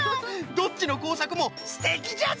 どっちのこうさくもすてきじゃぞ！